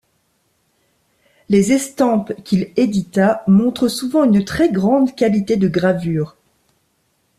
Les estampes qu'il édita montrent souvent une très grande qualité de gravure.